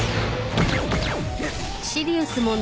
うっ！？